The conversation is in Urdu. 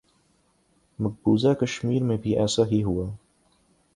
مقبوضہ کشمیر میں بھی ایسا ہی ہوا۔